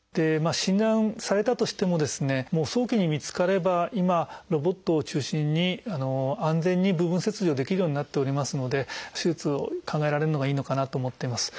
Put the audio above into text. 診断されたとしても早期に見つかれば今ロボットを中心に安全に部分切除できるようになっておりますので手術を考えられるのがいいのかなと思っています。